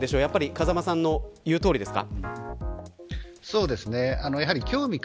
風間さんの言うとおりですか。